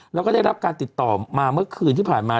แล้วก็ได้รับการติดต่อมาเมื่อคืนที่ผ่านมา